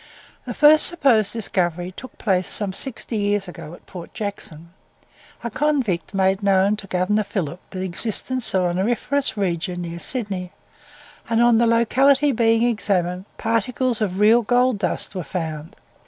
The first supposed discovery took place some sixty years ago, at Port Jackson. A convict made known to Governor Phillip the existence of an auriferous region near Sydney, and on the locality being examined, particles of real gold dust were found.